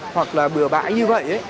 hoặc là bừa bãi như vậy